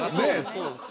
そうです